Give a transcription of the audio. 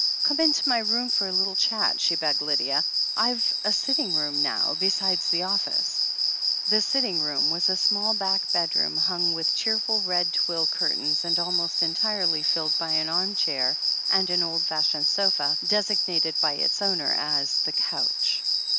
"Come into my room for a little chat," she begged Lydia. "I've a sitting room now, besides the office." 446 THE HEEL OF ACHILLES The sitting room was a small back bedroom, htmg with cheerful red twill curtains, and almost entirely filled by an arm chair and an old fashioned sofa, desig nated by its owner as "the couch.'